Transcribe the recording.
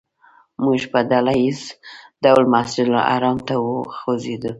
موږ په ډله ییز ډول مسجدالحرام ته وخوځېدو.